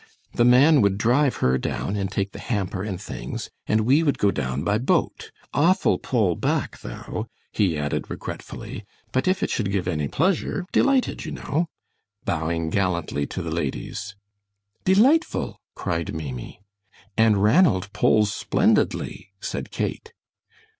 The man would drive her down and take the hamper and things, and we would go down by boat. Awful pull back, though," he added, regretfully, "but if it should give any pleasure delighted, you know," bowing gallantly to the ladies. "Delightful!" cried Maimie. "And Ranald pulls splendidly," said Kate.